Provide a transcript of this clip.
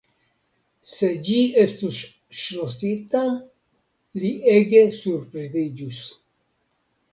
Se ĝi estus ŝlosita, li ege surpriziĝus.